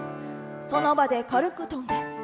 その場で軽く跳んで。